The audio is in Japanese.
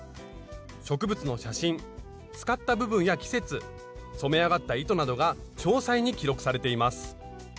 植物の写真使った部分や季節染め上がった糸などが詳細に記録されています。